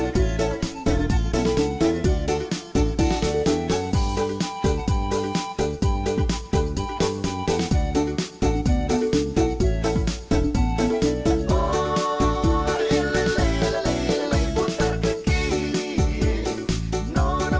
văn hóa việt nam